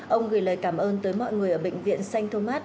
ông gửi lời cảm ơn tới mọi người ở bệnh viện xanh thomas